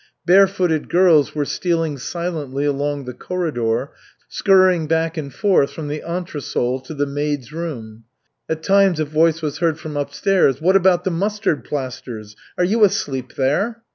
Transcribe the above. Barefooted girls were stealing silently along the corridor, scurrying back and forth from the entresol to the maids' room. At times a voice was heard from upstairs: "What about the mustard plasters? Are you asleep there?"